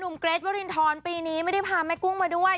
เกรทวรินทรปีนี้ไม่ได้พาแม่กุ้งมาด้วย